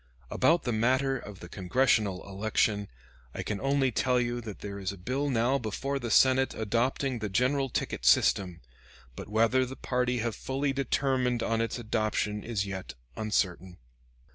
About the matter of the Congressional election, I can only tell you that there is a bill now before the Senate adopting the general ticket system; but whether the party have fully determined on its adoption is yet uncertain.